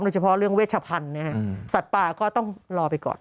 เฉพาะเรื่องเวชพันธุ์นะฮะสัตว์ป่าก็ต้องรอไปก่อน